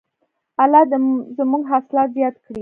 الله دې زموږ حاصلات زیات کړي.